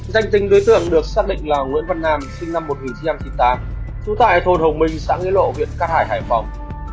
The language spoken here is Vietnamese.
danh tính đối tượng được xác định là nguyễn văn hàm sinh năm một nghìn chín trăm chín mươi tám trú tại thôn hồng minh xã nghĩa lộ huyện cát hải hải phòng